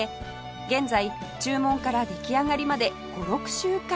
現在注文から出来上がりまで５６週間待ち